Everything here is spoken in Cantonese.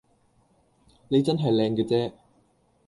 你真係靚嘅啫